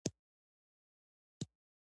بزګان د افغانستان د ملي هویت نښه ده.